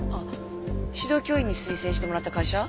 指導教員に推薦してもらった会社？